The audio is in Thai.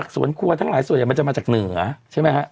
ส่วนใหญ่มันจะมาจากเหนือใช่ไหมครับ